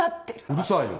うるさいよ。